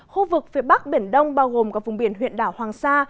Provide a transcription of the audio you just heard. khu vực phía bắc biển đông bao gồm cả vùng biển huyện đảo hoàng sa